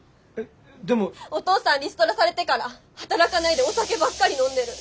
お父さんリストラされてから働かないでお酒ばっかり飲んでる。